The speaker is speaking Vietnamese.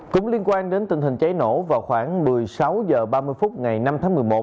cũng liên quan đến tình hình cháy nổ vào khoảng một mươi sáu h ba mươi phút ngày năm tháng một mươi một